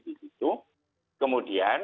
di situ kemudian